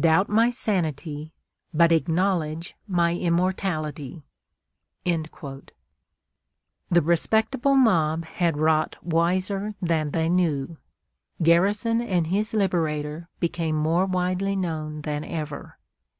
Doubt my sanity, but acknowledge my immortality." The "respectable" mob had wrought wiser than they knew. Garrison and his "Liberator" became more widely known than ever.